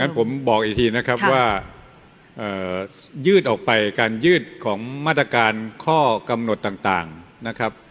ผมบอกอีกทีนะครับว่ายืดออกไปการยืดของมาตรการข้อกำหนดต่างนะครับ